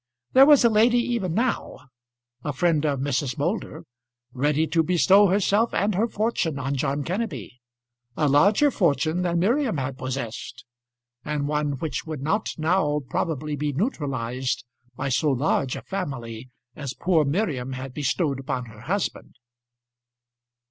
There was a lady even now, a friend of Mrs. Moulder, ready to bestow herself and her fortune on John Kenneby, a larger fortune than Miriam had possessed, and one which would not now probably be neutralised by so large a family as poor Miriam had bestowed upon her husband.